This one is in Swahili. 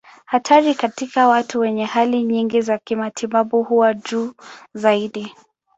Hatari katika watu wenye hali nyingi za kimatibabu huwa juu zaidi.